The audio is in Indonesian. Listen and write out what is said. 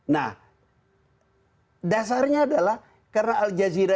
nah dasarnya adalah karena al jazeera